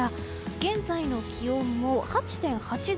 現在の気温も８．８度。